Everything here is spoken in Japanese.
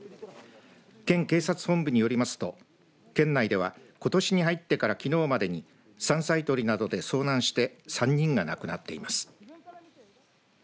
県警察本部によりますと県内ではことしに入ってからきのうまでに山菜採りなどで遭難して３人が亡くなっています。